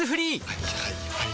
はいはいはいはい。